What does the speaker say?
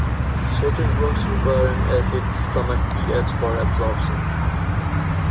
Certain drugs require an acid stomach pH for absorption.